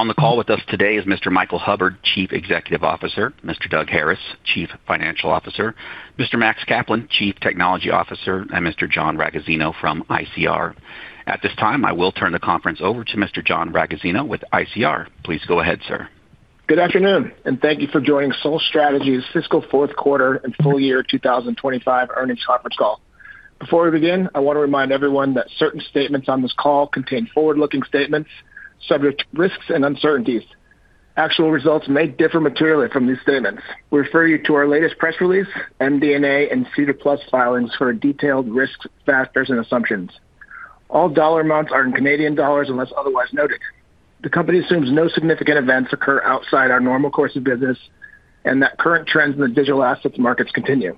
On the call with us today is Mr. Michael Hubbard, Chief Executive Officer, Mr. Doug Harris, Chief Financial Officer, Mr. Max Kaplan, Chief Technology Officer, and Mr. John Ragozzino from ICR. At this time, I will turn the conference over to Mr. John Ragozzino with ICR. Please go ahead, sir. Good afternoon, and thank you for joining SOL Strategies' fiscal fourth quarter and full year 2025 earnings conference call. Before we begin, I want to remind everyone that certain statements on this call contain forward-looking statements subject to risks and uncertainties. Actual results may differ materially from these statements. We refer you to our latest press release, MD&A and SEDAR+ filings for detailed risk factors and assumptions. All dollar amounts are in Canadian dollars unless otherwise noted. The company assumes no significant events occur outside our normal course of business and that current trends in the digital assets markets continue.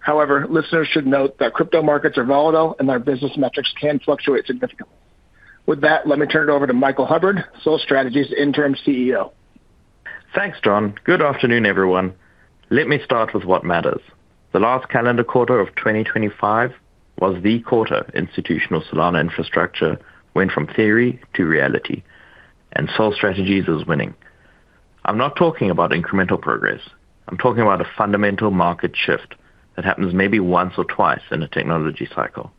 However, listeners should note that crypto markets are volatile and our business metrics can fluctuate significantly. With that, let me turn it over to Michael Hubbard, SOL Strategies' Interim CEO. Thanks, John. Good afternoon, everyone. Let me start with what matters. The last calendar quarter of 2025 was the quarter institutional Solana infrastructure went from theory to reality, and SOL Strategies is winning. I'm not talking about incremental progress. I'm talking about a fundamental market shift that happens maybe once or twice in a technology cycle.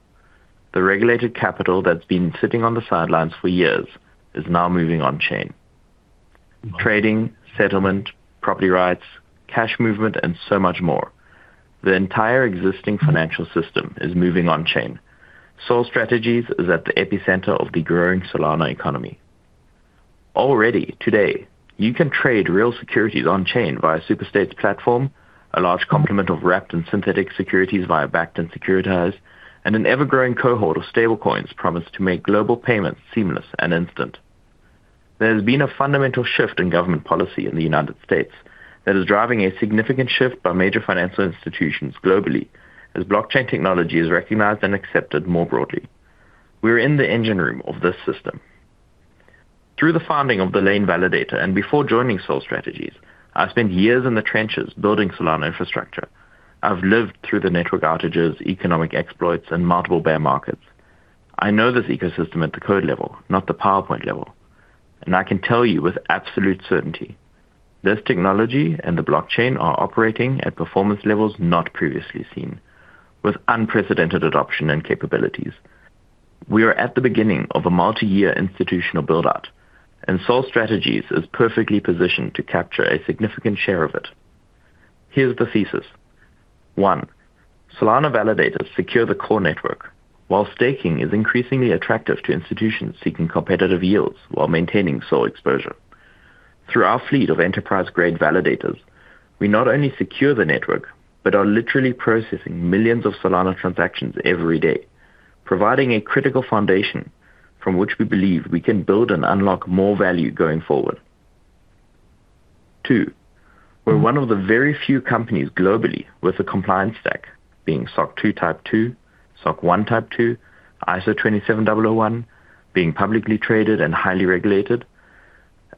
The regulated capital that's been sitting on the sidelines for years is now moving on-chain. Trading, settlement, property rights, cash movement, and so much more. The entire existing financial system is moving on-chain. SOL Strategies is at the epicenter of the growing Solana economy. Already, today, you can trade real securities on-chain via Superstate's platform, a large complement of wrapped and synthetic securities via Backed and Securitize, and an ever-growing cohort of Stablecoins promised to make global payments seamless and instant. There has been a fundamental shift in government policy in the United States that is driving a significant shift by major financial institutions globally as blockchain technology is recognized and accepted more broadly. We're in the engine room of this system. Through the founding of the Laine Validator and before joining SOL Strategies, I've spent years in the trenches building Solana infrastructure. I've lived through the network outages, economic exploits, and multiple bear markets. I know this ecosystem at the code level, not the PowerPoint level, and I can tell you with absolute certainty, this technology and the blockchain are operating at performance levels not previously seen, with unprecedented adoption and capabilities. We are at the beginning of a multi-year institutional build-out, and SOL Strategies is perfectly positioned to capture a significant share of it. Here's the thesis. One, Solana validators secure the core network, while staking is increasingly attractive to institutions seeking competitive yields while maintaining SOL exposure. Through our fleet of enterprise-grade validators, we not only secure the network but are literally processing millions of Solana transactions every day, providing a critical foundation from which we believe we can build and unlock more value going forward. Two, we're one of the very few companies globally with a compliance stack, being SOC 2 Type 2, SOC 1 Type 2, ISO 27001, being publicly traded and highly regulated,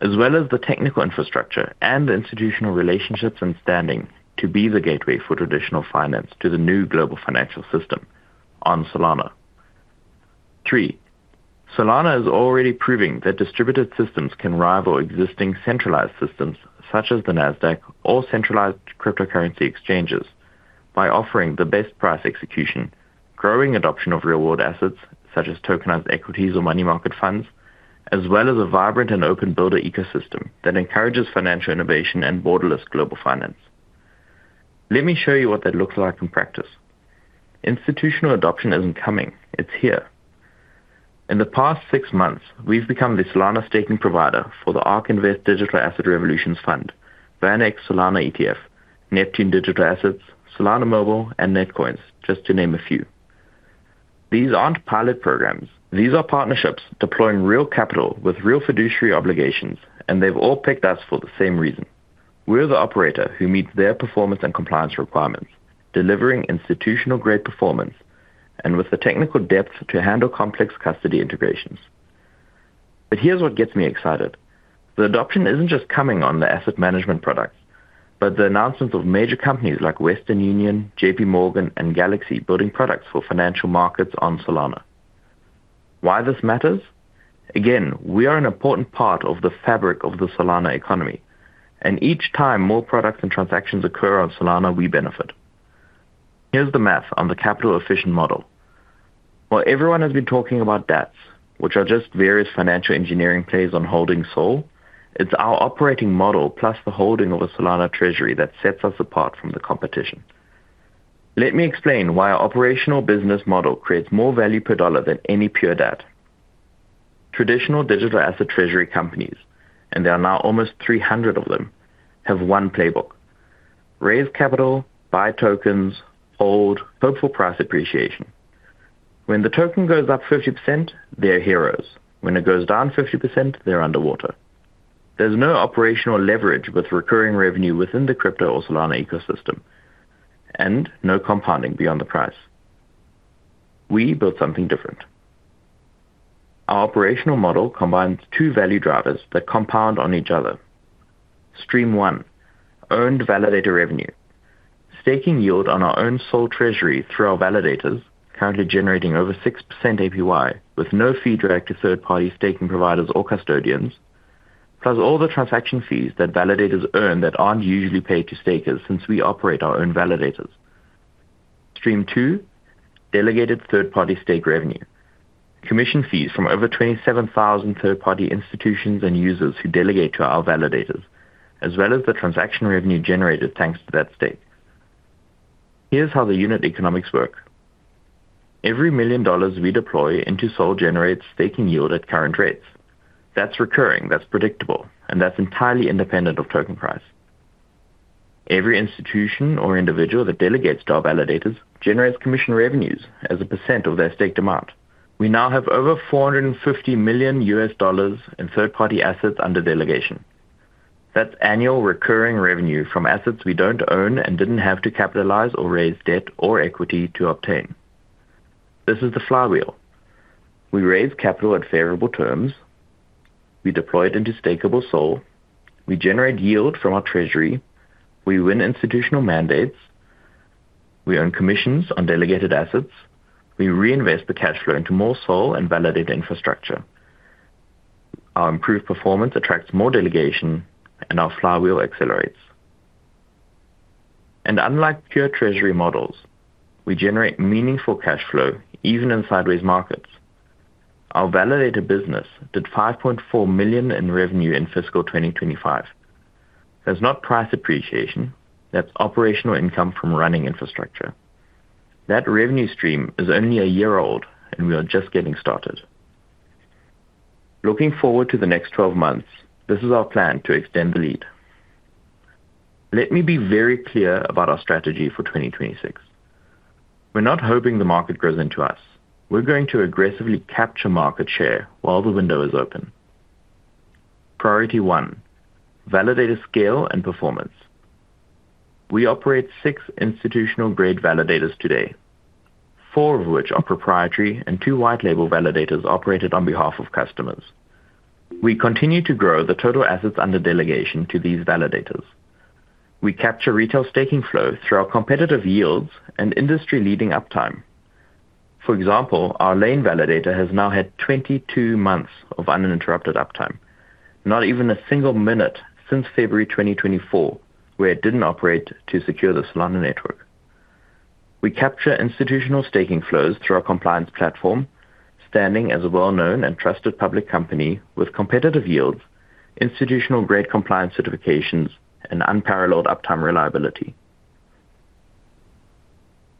as well as the technical infrastructure and institutional relationships and standing to be the gateway for traditional finance to the new global financial system on Solana. Three, Solana is already proving that distributed systems can rival existing centralized systems such as the Nasdaq or centralized cryptocurrency exchanges by offering the best price execution, growing adoption of real-world assets such as tokenized equities or money market funds, as well as a vibrant and open builder ecosystem that encourages financial innovation and borderless global finance. Let me show you what that looks like in practice. Institutional adoption isn't coming. It's here. In the past six months, we've become the Solana staking provider for the Ark Invest Digital Asset Revolutions Fund, VanEck Solana ETF, Neptune Digital Assets, Solana Mobile, and Netcoins, just to name a few. These aren't pilot programs. These are partnerships deploying real capital with real fiduciary obligations, and they've all picked us for the same reason. We're the operator who meets their performance and compliance requirements, delivering institutional-grade performance and with the technical depth to handle complex custody integrations. But here's what gets me excited. The adoption isn't just coming on the asset management products, but the announcements of major companies like Western Union, J.P. Morgan, and Galaxy building products for financial markets on Solana. Why this matters? Again, we are an important part of the fabric of the Solana economy, and each time more products and transactions occur on Solana, we benefit. Here's the math on the capital-efficient model. While everyone has been talking about DATs, which are just various financial engineering plays on holding SOL, it's our operating model plus the holding of a Solana treasury that sets us apart from the competition. Let me explain why our operational business model creates more value per dollar than any pure DAT. Traditional digital asset treasury companies, and there are now almost 300 of them, have one playbook: raise capital, buy tokens, hold, hope for price appreciation. When the token goes up 50%, they're heroes. When it goes down 50%, they're underwater. There's no operational leverage with recurring revenue within the crypto or Solana ecosystem, and no compounding beyond the price. We built something different. Our operational model combines two value drivers that compound on each other. Stream one, earned validator revenue. Staking yield on our own SOL treasury through our validators, currently generating over 6% APY with no fee direct to third-party staking providers or custodians, plus all the transaction fees that validators earn that aren't usually paid to stakers since we operate our own validators. Stream two, delegated third-party stake revenue. Commission fees from over 27,000 third-party institutions and users who delegate to our validators, as well as the transaction revenue generated thanks to that stake. Here's how the unit economics work. Every $1 million we deploy into SOL generates staking yield at current rates. That's recurring, that's predictable, and that's entirely independent of token price. Every institution or individual that delegates to our validators generates commission revenues as a percent of their stake demand. We now have over $450 million in third-party assets under delegation. That's annual recurring revenue from assets we don't own and didn't have to capitalize or raise debt or equity to obtain. This is the flywheel. We raise capital at favorable terms. We deploy it into stakable SOL. We generate yield from our treasury. We win institutional mandates. We earn commissions on delegated assets. We reinvest the cash flow into more SOL and validator infrastructure. Our improved performance attracts more delegation, and our flywheel accelerates. And unlike pure treasury models, we generate meaningful cash flow even in sideways markets. Our validator business did 5.4 million in revenue in fiscal 2025. That's not price appreciation. That's operational income from running infrastructure. That revenue stream is only a year old, and we are just getting started. Looking forward to the next 12 months, this is our plan to extend the lead. Let me be very clear about our strategy for 2026. We're not hoping the market grows into us. We're going to aggressively capture market share while the window is open. Priority one, validator scale and performance. We operate six institutional-grade validators today, four of which are proprietary and two white-label validators operated on behalf of customers. We continue to grow the total assets under delegation to these validators. We capture retail staking flow through our competitive yields and industry-leading uptime. For example, our Laine Validator has now had 22 months of uninterrupted uptime, not even a single minute since February 2024 where it didn't operate to secure the Solana network. We capture institutional staking flows through our compliance platform, standing as a well-known and trusted public company with competitive yields, institutional-grade compliance certifications, and unparalleled uptime reliability.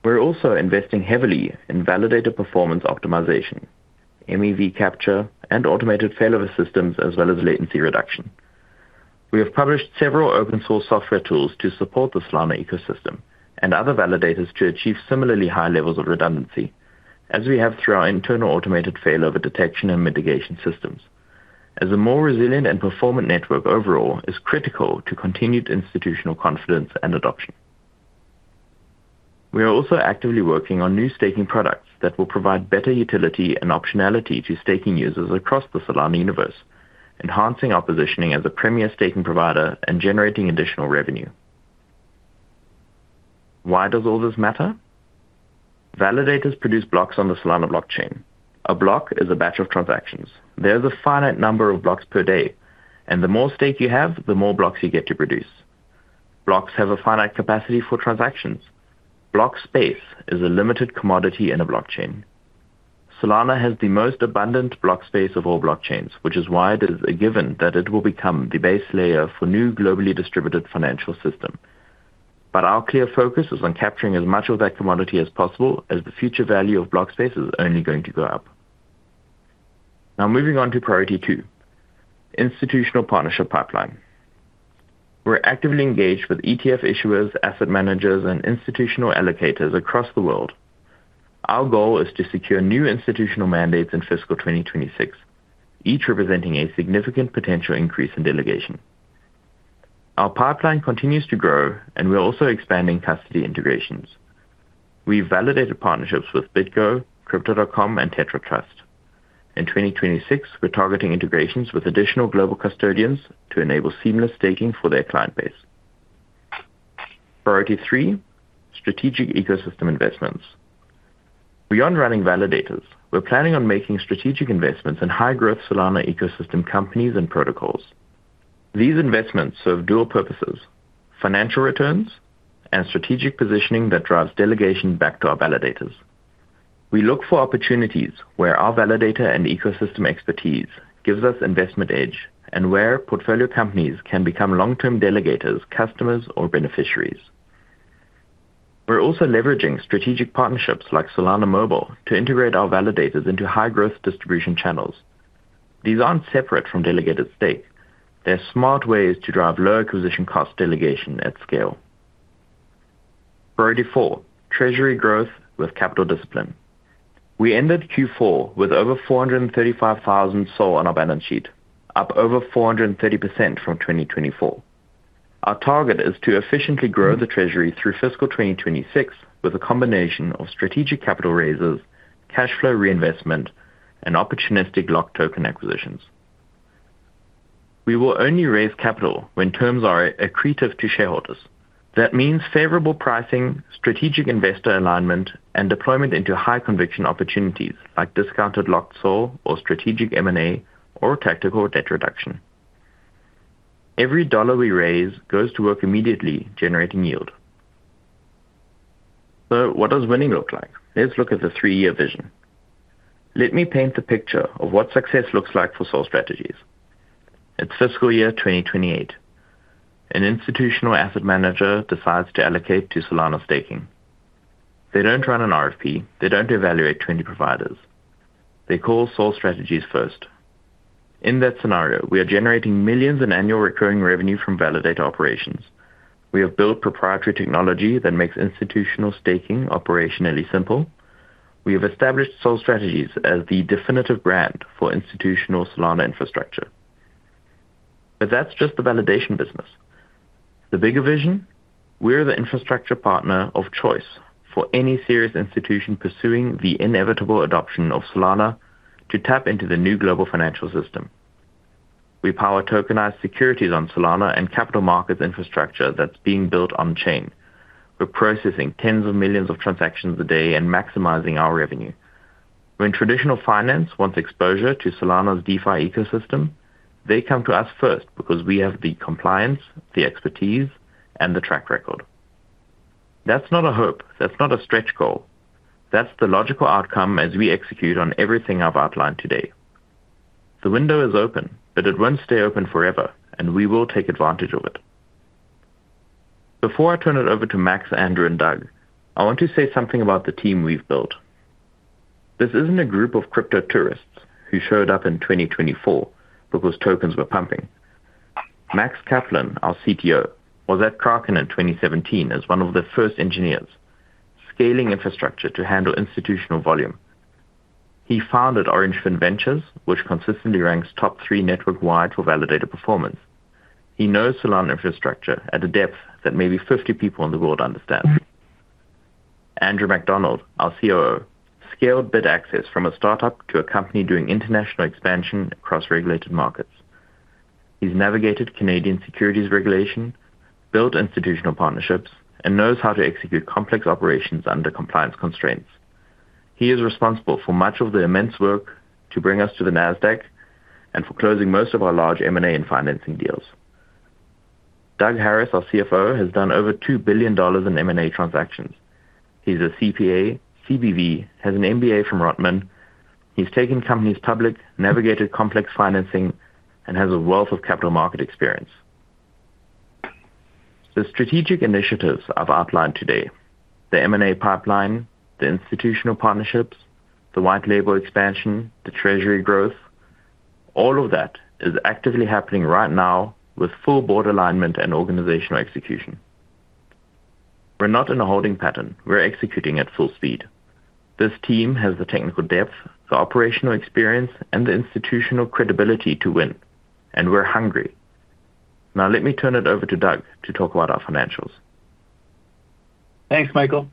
We're also investing heavily in validator performance optimization, MEV capture, and automated failover systems, as well as latency reduction. We have published several open-source software tools to support the Solana ecosystem and other validators to achieve similarly high levels of redundancy, as we have through our internal automated failover detection and mitigation systems, as a more resilient and performant network overall is critical to continued institutional confidence and adoption. We are also actively working on new staking products that will provide better utility and optionality to staking users across the Solana universe, enhancing our positioning as a premier staking provider and generating additional revenue. Why does all this matter? Validators produce blocks on the Solana blockchain. A block is a batch of transactions. There is a finite number of blocks per day, and the more stake you have, the more blocks you get to produce. Blocks have a finite capacity for transactions. Block space is a limited commodity in a blockchain. Solana has the most abundant block space of all blockchains, which is why it is a given that it will become the base layer for new globally distributed financial systems. But our clear focus is on capturing as much of that commodity as possible as the future value of block space is only going to go up. Now, moving on to priority two, institutional partnership pipeline. We're actively engaged with ETF issuers, asset managers, and institutional allocators across the world. Our goal is to secure new institutional mandates in fiscal 2026, each representing a significant potential increase in delegation. Our pipeline continues to grow, and we're also expanding custody integrations. We've validated partnerships with BitGo, Crypto.com, and Tetra Trust. In 2026, we're targeting integrations with additional global custodians to enable seamless staking for their client base. Priority three, strategic ecosystem investments. Beyond running validators, we're planning on making strategic investments in high-growth Solana ecosystem companies and protocols. These investments serve dual purposes: financial returns and strategic positioning that drives delegation back to our validators. We look for opportunities where our validator and ecosystem expertise gives us investment edge and where portfolio companies can become long-term delegators, customers, or beneficiaries. We're also leveraging strategic partnerships like Solana Mobile to integrate our validators into high-growth distribution channels. These aren't separate from delegated stake. They're smart ways to drive low acquisition cost delegation at scale. Priority four, treasury growth with capital discipline. We ended Q4 with over 435,000 SOL on our balance sheet, up over 430% from 2024. Our target is to efficiently grow the treasury through fiscal 2026 with a combination of strategic capital raises, cash flow reinvestment, and opportunistic locked token acquisitions. We will only raise capital when terms are accretive to shareholders. That means favorable pricing, strategic investor alignment, and deployment into high-conviction opportunities like discounted locked SOL or strategic M&A or tactical debt reduction. Every dollar we raise goes to work immediately, generating yield. So what does winning look like? Let's look at the three-year vision. Let me paint the picture of what success looks like for SOL Strategies. It's fiscal year 2028. An institutional asset manager decides to allocate to Solana staking. They don't run an RFP. They don't evaluate 20 providers. They call SOL Strategies first. In that scenario, we are generating millions in annual recurring revenue from validator operations. We have built proprietary technology that makes institutional staking operationally simple. We have established SOL Strategies as the definitive brand for institutional Solana infrastructure. But that's just the validator business. The bigger vision? We're the infrastructure partner of choice for any serious institution pursuing the inevitable adoption of Solana to tap into the new global financial system. We power tokenized securities on Solana and capital markets infrastructure that's being built on-chain. We're processing tens of millions of transactions a day and maximizing our revenue. When traditional finance wants exposure to Solana's DeFi ecosystem, they come to us first because we have the compliance, the expertise, and the track record. That's not a hope. That's not a stretch goal. That's the logical outcome as we execute on everything I've outlined today. The window is open, but it won't stay open forever, and we will take advantage of it. Before I turn it over to Max, Andrew, and Doug, I want to say something about the team we've built. This isn't a group of crypto tourists who showed up in 2024 because tokens were pumping. Max Kaplan, our CTO, was at Kraken in 2017 as one of the first engineers scaling infrastructure to handle institutional volume. He founded Orangefin Ventures, which consistently ranks top three network-wide for validator performance. He knows Solana infrastructure at a depth that maybe 50 people in the world understand. Andrew McDonald, our COO, scaled Bitaccess from a startup to a company doing international expansion across regulated markets. He's navigated Canadian securities regulation, built institutional partnerships, and knows how to execute complex operations under compliance constraints. He is responsible for much of the immense work to bring us to the Nasdaq and for closing most of our large M&A and financing deals. Doug Harris, our CFO, has done over $2 billion in M&A transactions. He's a CPA, CBV, has an MBA from Rotman. He's taken companies public, navigated complex financing, and has a wealth of capital market experience. The strategic initiatives I've outlined today, the M&A pipeline, the institutional partnerships, the white-label expansion, the treasury growth, all of that is actively happening right now with full board alignment and organizational execution. We're not in a holding pattern. We're executing at full speed. This team has the technical depth, the operational experience, and the institutional credibility to win, and we're hungry. Now, let me turn it over to Doug to talk about our financials. Thanks, Michael.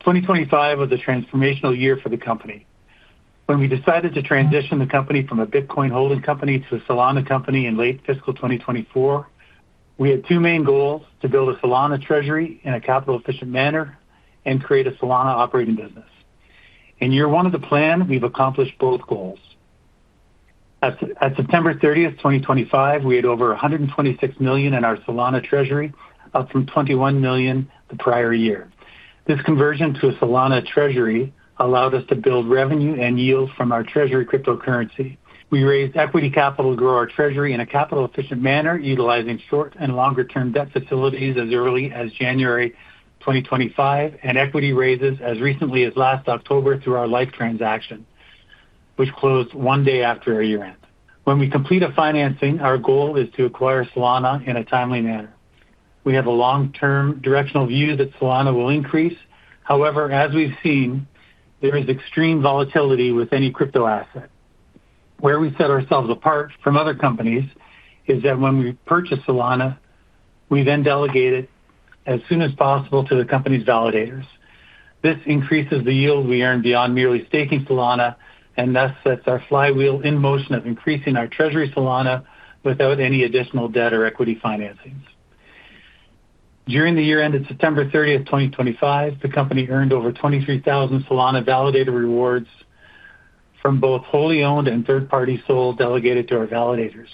2025 was a transformational year for the company. When we decided to transition the company from a Bitcoin holding company to a Solana company in late Fiscal 2024, we had two main goals: to build a Solana treasury in a capital-efficient manner and create a Solana operating business. In year one of the plan, we've accomplished both goals. At September 30th, 2025, we had over 126 million in our Solana treasury, up from 21 million the prior year. This conversion to a Solana treasury allowed us to build revenue and yield from our treasury cryptocurrency. We raised equity capital to grow our treasury in a capital-efficient manner, utilizing short and longer-term debt facilities as early as January 2025, and equity raises as recently as last October through our LIFE offering, which closed one day after our year-end. When we complete our financing, our goal is to acquire Solana in a timely manner. We have a long-term directional view that Solana will increase. However, as we've seen, there is extreme volatility with any crypto asset. Where we set ourselves apart from other companies is that when we purchase Solana, we then delegate it as soon as possible to the company's validators. This increases the yield we earn beyond merely staking Solana and thus sets our flywheel in motion of increasing our treasury Solana without any additional debt or equity financings. During the year-end at September 30th, 2025, the company earned over 23,000 Solana validator rewards from both wholly owned and third-party SOL delegated to our validators.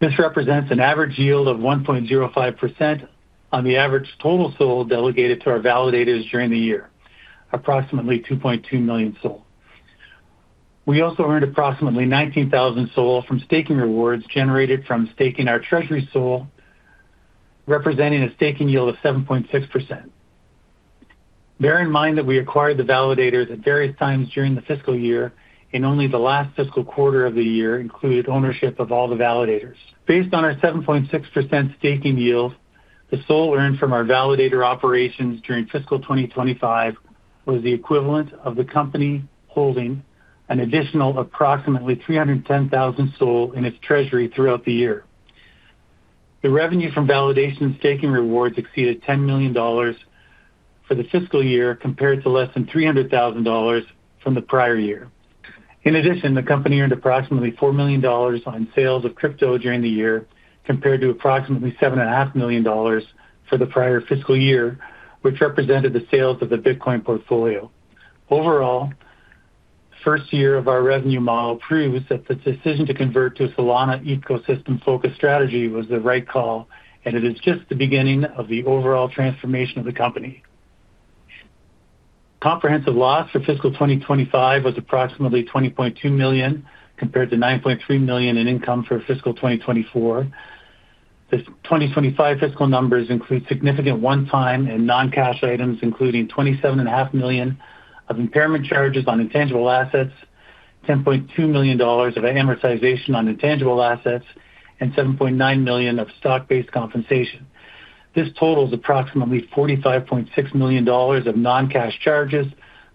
This represents an average yield of 1.05% on the average total SOL delegated to our validators during the year, approximately 2.2 million SOL. We also earned approximately 19,000 SOL from staking rewards generated from staking our treasury SOL, representing a staking yield of 7.6%. Bear in mind that we acquired the validators at various times during the fiscal year, and only the last fiscal quarter of the year included ownership of all the validators. Based on our 7.6% staking yield, the SOL earned from our validator operations during fiscal 2025 was the equivalent of the company holding an additional approximately 310,000 SOL in its treasury throughout the year. The revenue from validator staking rewards exceeded $10 million for the fiscal year compared to less than $300,000 from the prior year. In addition, the company earned approximately $4 million on sales of crypto during the year compared to approximately $7.5 million for the prior fiscal year, which represented the sales of the Bitcoin portfolio. Overall, the first year of our revenue model proves that the decision to convert to a Solana ecosystem-focused strategy was the right call, and it is just the beginning of the overall transformation of the company. Comprehensive loss for fiscal 2025 was approximately $20.2 million compared to $9.3 million in income for fiscal 2024. The 2025 fiscal numbers include significant one-time and non-cash items, including $27.5 million of impairment charges on intangible assets, $10.2 million of amortization on intangible assets, and $7.9 million of stock-based compensation. This totals approximately $45.6 million of non-cash charges,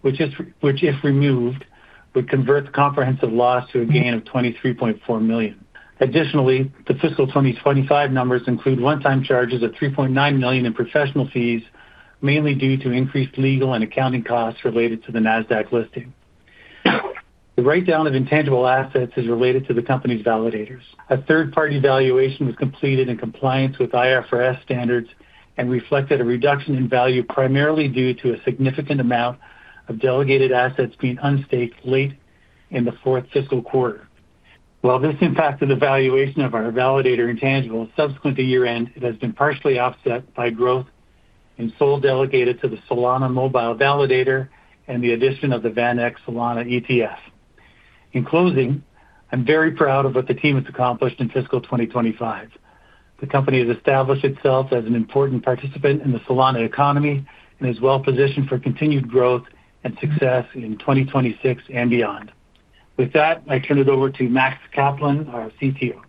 which, if removed, would convert the comprehensive loss to a gain of $23.4 million. Additionally, the fiscal 2025 numbers include one-time charges of $3.9 million in professional fees, mainly due to increased legal and accounting costs related to the Nasdaq listing. The write-down of intangible assets is related to the company's validators. A third-party valuation was completed in compliance with IFRS standards and reflected a reduction in value primarily due to a significant amount of delegated assets being unstaked late in the fourth fiscal quarter. While this impacted the valuation of our validator intangibles subsequent to year-end, it has been partially offset by growth in SOL delegated to the Solana Mobile validator and the addition of the VanEck Solana ETF. In closing, I'm very proud of what the team has accomplished in Fiscal 2025. The company has established itself as an important participant in the Solana economy and is well-positioned for continued growth and success in 2026 and beyond. With that, I turn it over to Max Kaplan, our CTO.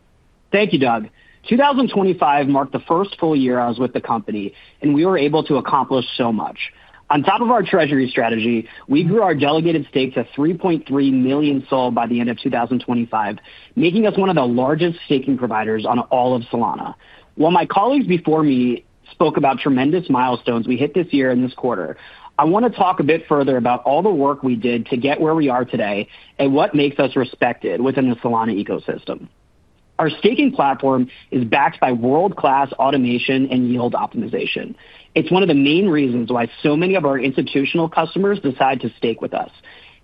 Thank you, Doug. 2025 marked the first full-year I was with the company, and we were able to accomplish so much. On top of our treasury strategy, we grew our delegated stake to 3.3 million SOL by the end of 2025, making us one of the largest staking providers on all of Solana. While my colleagues before me spoke about tremendous milestones we hit this year and this quarter, I want to talk a bit further about all the work we did to get where we are today and what makes us respected within the Solana ecosystem. Our staking platform is backed by world-class automation and yield optimization. It's one of the main reasons why so many of our institutional customers decide to stake with us.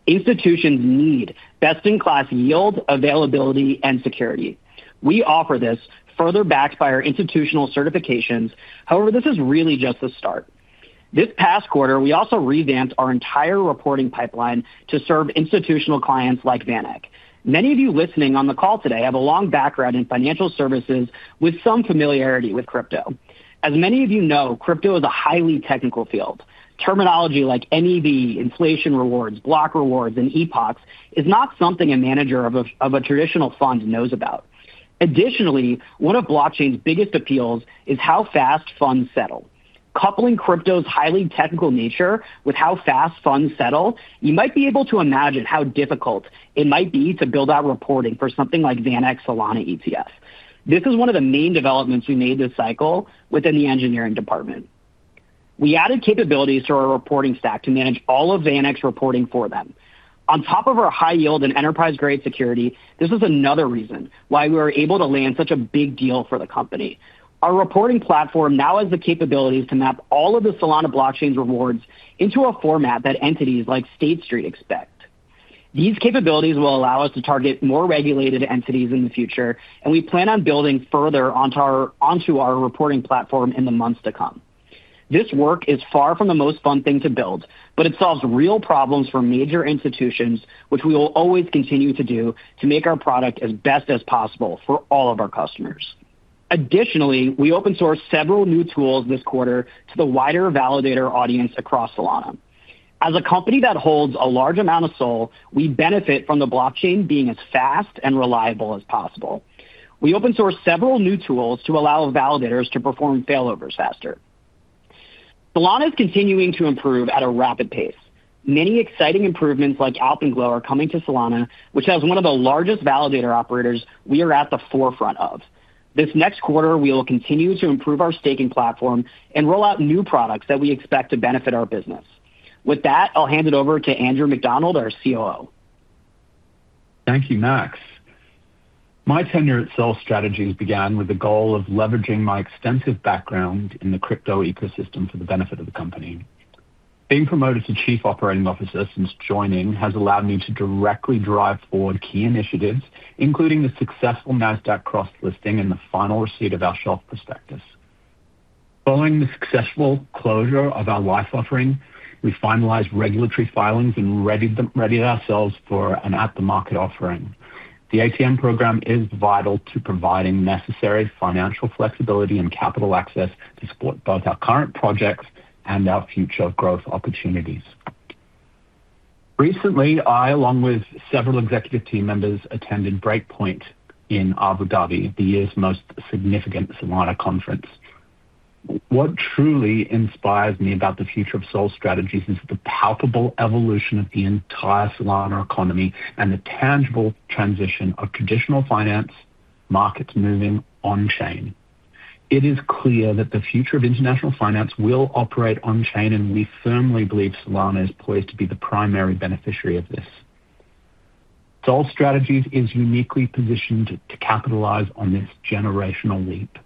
Institutions need best-in-class yield, availability, and security. We offer this further backed by our institutional certifications. However, this is really just the start. This past quarter, we also revamped our entire reporting pipeline to serve institutional clients like VanEck. Many of you listening on the call today have a long background in financial services with some familiarity with crypto. As many of you know, crypto is a highly technical field. Terminology like MEV, inflation rewards, block rewards, and epochs is not something a manager of a traditional fund knows about. Additionally, one of blockchain's biggest appeals is how fast funds settle. Coupling crypto's highly technical nature with how fast funds settle, you might be able to imagine how difficult it might be to build out reporting for something like VanEck Solana ETF. This is one of the main developments we made this cycle within the Engineering Department. We added capabilities to our reporting stack to manage all of VanEck's reporting for them. On top of our high-yield and enterprise-grade security, this is another reason why we were able to land such a big deal for the company. Our reporting platform now has the capabilities to map all of the Solana blockchain's rewards into a format that entities like State Street expect. These capabilities will allow us to target more regulated entities in the future, and we plan on building further onto our reporting platform in the months to come. This work is far from the most fun thing to build, but it solves real problems for major institutions, which we will always continue to do to make our product as best as possible for all of our customers. Additionally, we open-sourced several new tools this quarter to the wider validator audience across Solana. As a company that holds a large amount of SOL, we benefit from the blockchain being as fast and reliable as possible. We open-sourced several new tools to allow validators to perform failovers faster. Solana is continuing to improve at a rapid pace. Many exciting improvements like Agave and Glow are coming to Solana, which has one of the largest validator operators we are at the forefront of. This next quarter, we will continue to improve our staking platform and roll out new products that we expect to benefit our business. With that, I'll hand it over to Andrew McDonald, our COO. Thank you, Max. My tenure at SOL Strategies began with the goal of leveraging my extensive background in the crypto ecosystem for the benefit of the company. Being promoted to Chief Operating Officer since joining has allowed me to directly drive forward key initiatives, including the successful Nasdaq cross-listing and the final receipt of our shelf prospectus. Following the successful closure of our LIFE offering, we finalized regulatory filings and readied ourselves for an at-the-market offering. The ATM program is vital to providing necessary financial flexibility and capital access to support both our current projects and our future growth opportunities. Recently, I, along with several executive team members, attended Breakpoint in Abu Dhabi, the year's most significant Solana conference. What truly inspires me about the future of SOL Strategies is the palpable evolution of the entire Solana economy and the tangible transition of traditional finance markets moving on-chain. It is clear that the future of international finance will operate on-chain, and we firmly believe Solana is poised to be the primary beneficiary of this. Sol Strategies is uniquely positioned to capitalize on this generational leap.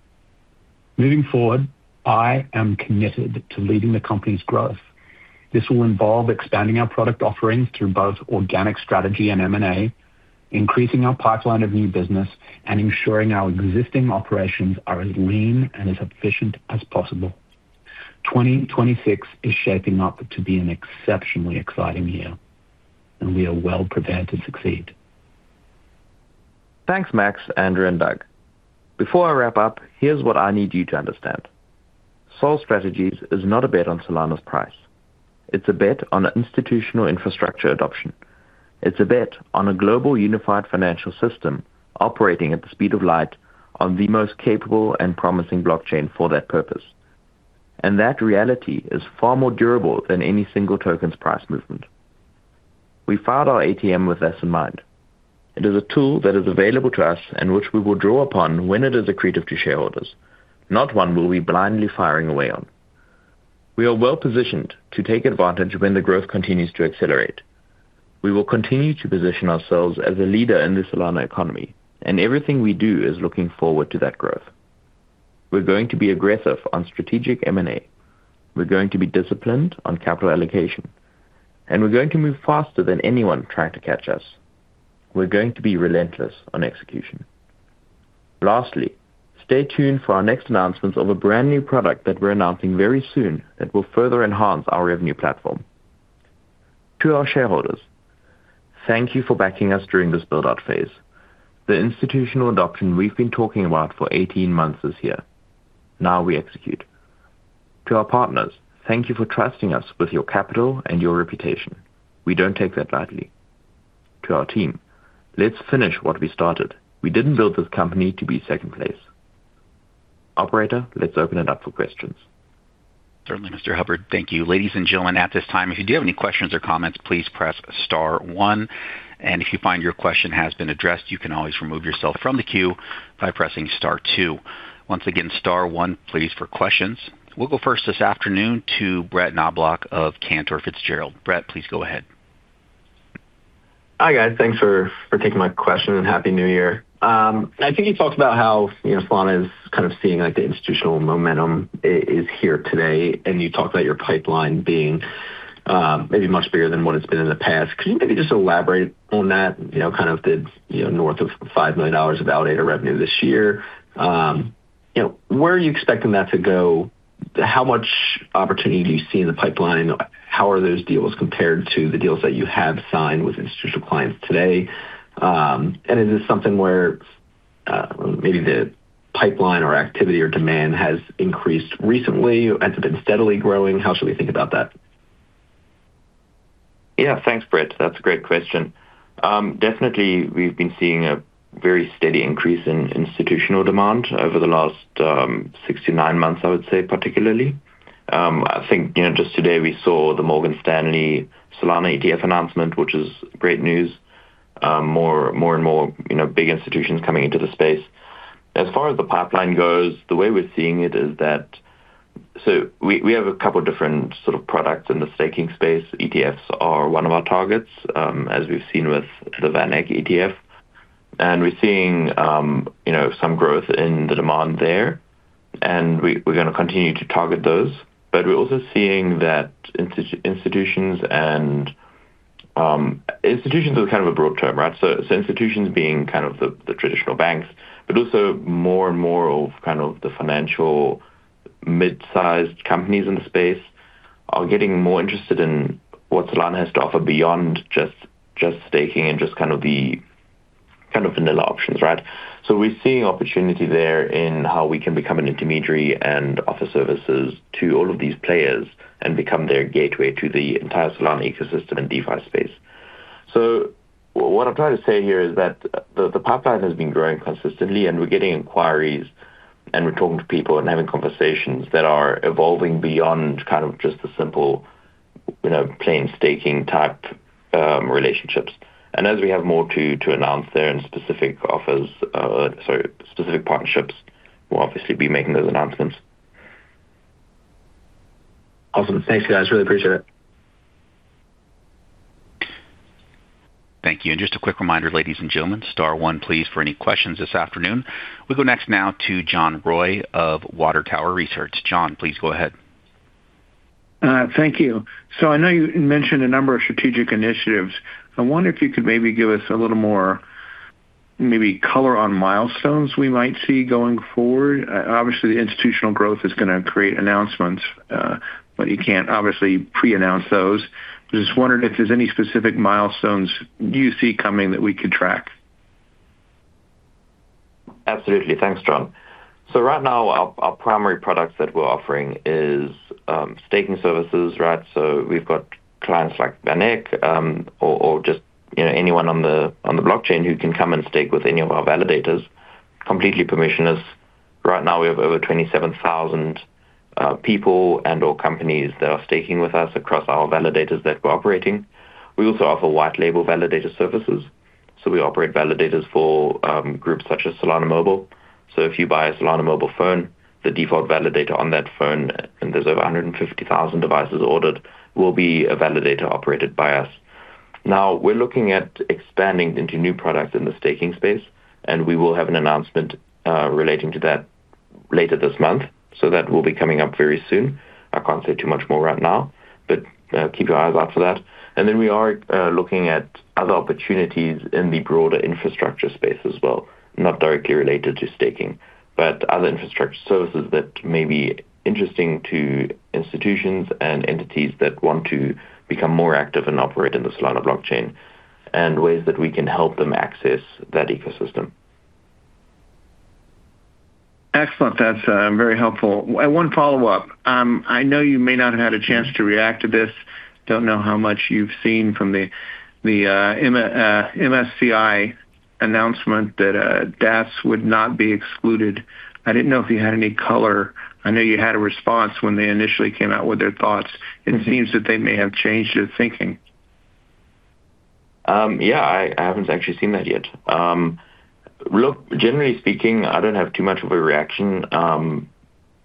Moving forward, I am committed to leading the company's growth. This will involve expanding our product offerings through both organic strategy and M&A, increasing our pipeline of new business, and ensuring our existing operations are as lean and as efficient as possible. 2026 is shaping up to be an exceptionally exciting year, and we are well prepared to succeed. Thanks, Max, Andrew, and Doug. Before I wrap up, here's what I need you to understand. SOL Strategies is not a bet on Solana's price. It's a bet on institutional infrastructure adoption. It's a bet on a global unified financial system operating at the speed of light on the most capable and promising blockchain for that purpose. And that reality is far more durable than any single token's price movement. We found our ATM with this in mind. It is a tool that is available to us and which we will draw upon when it is accretive to shareholders, not one we'll be blindly firing away on. We are well positioned to take advantage when the growth continues to accelerate. We will continue to position ourselves as a leader in the Solana economy, and everything we do is looking forward to that growth. We're going to be aggressive on strategic M&A. We're going to be disciplined on capital allocation, and we're going to move faster than anyone trying to catch us. We're going to be relentless on execution. Lastly, stay tuned for our next announcements of a brand new product that we're announcing very soon that will further enhance our revenue platform. To our shareholders, thank you for backing us during this build-out phase. The institutional adoption we've been talking about for 18 months is here. Now we execute. To our partners, thank you for trusting us with your capital and your reputation. We don't take that lightly. To our team, let's finish what we started. We didn't build this company to be second place. Operator, let's open it up for questions. Certainly, Mr. Hubbard, thank you. Ladies and gentlemen, at this time, if you do have any questions or comments, please press Star one, and if you find your question has been addressed, you can always remove yourself from the queue by pressing Star two. Once again, Star one, please, for questions. We'll go first this afternoon to Brett Knoblauch of Cantor Fitzgerald. Brett, please go ahead. Hi, guys. Thanks for taking my question and Happy New Year. I think you talked about how Solana is kind of seeing the institutional momentum is here today, and you talked about your pipeline being maybe much bigger than what it's been in the past. Could you maybe just elaborate on that, kind of the north of $5 million of validator revenue this year? Where are you expecting that to go? How much opportunity do you see in the pipeline? How are those deals compared to the deals that you have signed with institutional clients today? And is this something where maybe the pipeline or activity or demand has increased recently? Has it been steadily growing? How should we think about that? Yeah, thanks, Brett. That's a great question. Definitely, we've been seeing a very steady increase in institutional demand over the last six to nine months, I would say, particularly. I think just today we saw the Morgan Stanley Solana ETF announcement, which is great news. More and more big institutions coming into the space. As far as the pipeline goes, the way we're seeing it is that we have a couple of different sort of products in the staking space. ETFs are one of our targets, as we've seen with the VanEck ETF, and we're seeing some growth in the demand there, and we're going to continue to target those, but we're also seeing that institutions and institutions are kind of a broad term, right, so institutions being kind of the traditional banks, but also more and more of kind of the financial mid-sized companies in the space are getting more interested in what Solana has to offer beyond just staking and just kind of the kind of vanilla options, right? So we're seeing opportunity there in how we can become an intermediary and offer services to all of these players and become their gateway to the entire Solana ecosystem and DeFi space. So what I'm trying to say here is that the pipeline has been growing consistently, and we're getting inquiries, and we're talking to people and having conversations that are evolving beyond kind of just the simple plain staking type relationships. And as we have more to announce there and specific offers, sorry, specific partnerships, we'll obviously be making those announcements. Awesome. Thank you, guys. Really appreciate it. Thank you. And just a quick reminder, ladies and gentlemen, Star one, please, for any questions this afternoon. We go next now to John Roy of Water Tower Research. John, please go ahead. Thank you. So I know you mentioned a number of strategic initiatives. I wonder if you could maybe give us a little more color on milestones we might see going forward. Obviously, the institutional growth is going to create announcements, but you can't obviously pre-announce those. I just wondered if there's any specific milestones you see coming that we could track. Absolutely. Thanks, John. So right now, our primary products that we're offering is staking services, right? So we've got clients like VanEck or just anyone on the blockchain who can come and stake with any of our validators, completely permissionless. Right now, we have over 27,000 people and/or companies that are staking with us across our validators that we're operating. We also offer white-label validator services. So we operate validators for groups such as Solana Mobile. So if you buy a Solana Mobile phone, the default validator on that phone, and there's over 150,000 devices ordered, will be a validator operated by us. Now, we're looking at expanding into new products in the staking space, and we will have an announcement relating to that later this month. So that will be coming up very soon. I can't say too much more right now, but keep your eyes out for that. And then we are looking at other opportunities in the broader infrastructure space as well, not directly related to staking, but other infrastructure services that may be interesting to institutions and entities that want to become more active and operate in the Solana blockchain and ways that we can help them access that ecosystem. Excellent. That's very helpful. One follow-up. I know you may not have had a chance to react to this. Don't know how much you've seen from the MSCI announcement that DATs would not be excluded. I didn't know if you had any color. I know you had a response when they initially came out with their thoughts. It seems that they may have changed their thinking. Yeah, I haven't actually seen that yet. Look, generally speaking, I don't have too much of a reaction.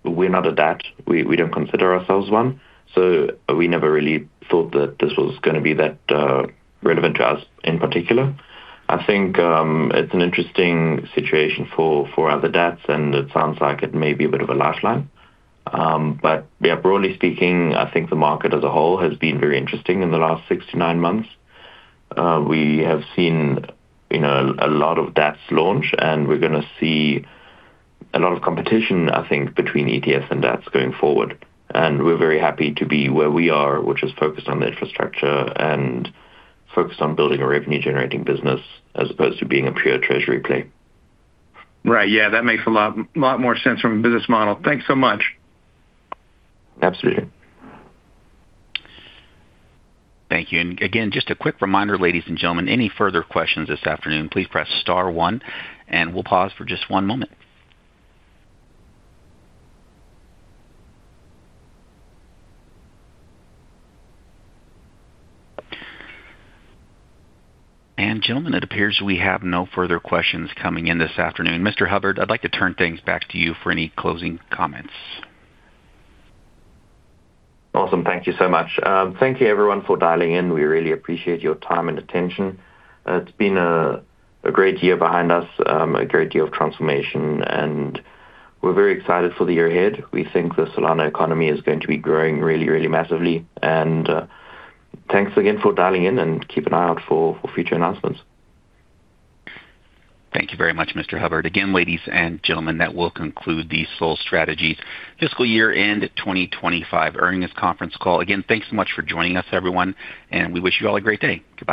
We're not a DAT. We don't consider ourselves one. So we never really thought that this was going to be that relevant to us in particular. I think it's an interesting situation for other DATs, and it sounds like it may be a bit of a lifeline. But yeah, broadly speaking, I think the market as a whole has been very interesting in the last six to nine months. We have seen a lot of DATs launch, and we're going to see a lot of competition, I think, between ETFs and DATs going forward. And we're very happy to be where we are, which is focused on the infrastructure and focused on building a revenue-generating business as opposed to being a pure treasury play. Right. Yeah, that makes a lot more sense from a business model. Thanks so much. Absolutely. Thank you. And again, just a quick reminder, ladies and gentlemen, any further questions this afternoon, please press Star one, and we'll pause for just one moment. And gentlemen, it appears we have no further questions coming in this afternoon. Mr. Hubbard, I'd like to turn things back to you for any closing comments. Awesome. Thank you so much. Thank you, everyone, for dialing in. We really appreciate your time and attention. It's been a great year behind us, a great year of transformation, and we're very excited for the year ahead. We think the Solana economy is going to be growing really, really massively, and thanks again for dialing in and keep an eye out for future announcements. Thank you very much, Mr. Hubbard. Again, ladies and gentlemen, that will conclude the SOL Strategies fiscal year-end 2025 earnings conference call. Again, thanks so much for joining us, everyone, and we wish you all a great day. Goodbye.